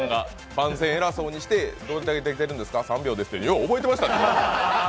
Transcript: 番宣偉そうにして、どれだけ出てるんですか、３秒ですってよう覚えてましたね。